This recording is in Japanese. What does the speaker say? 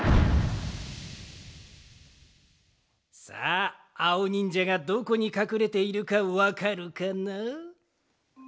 さああおにんじゃがどこにかくれているかわかるかな？